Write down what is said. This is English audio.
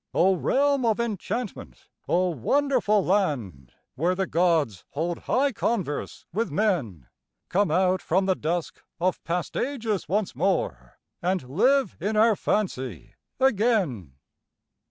O realm of enchantment, O Wonderful land, Where the gods hold high converse with men, Come out from the dusk of past ages once more, And live in our fancy again.